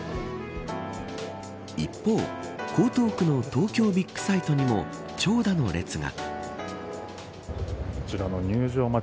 一方、江東区の東京ビッグサイトにも長蛇の列が。